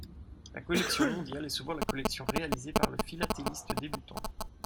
La collection mondiale est souvent la collection réalisée par le philatéliste débutant.